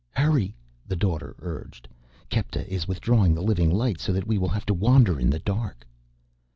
"Hurry!" the Daughter urged. "Kepta is withdrawing the living light, so that we will have to wander in the dark."